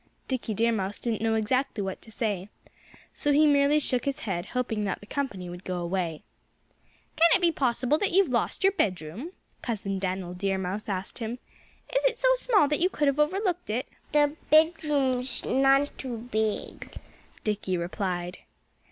Dickie Deer Mouse didn't know exactly what to say. So he merely shook his head, hoping that the company would go away. "Can it be possible that you've lost your bedroom?" Cousin Dan'l Deer Mouse asked him. "Is it so small that you could have overlooked it?" "The bedroom's none too big," Dickie replied.